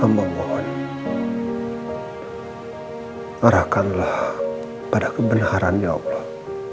amba mohon arahkanlah pada kebenaran ya allah